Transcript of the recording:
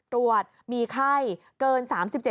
ตรวจมีไข้เกิน๓๗